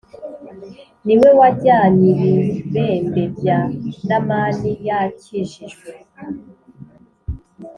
ni we wajyany' ibibembe bya namani yakijijwe.